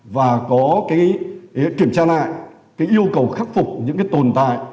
và kiểm tra lại yêu cầu khắc phục những tồn tại